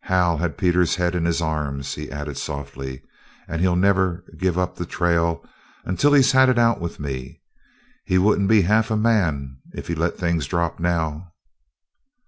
Hal had Peter's head in his arms," he added softly. "And he'll never give up the trail until he's had it out with me. He wouldn't be half a man if he let things drop now."